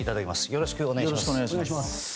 よろしくお願いします。